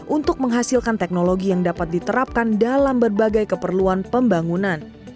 untuk menghasilkan teknologi yang dapat diterapkan dalam berbagai keperluan pembangunan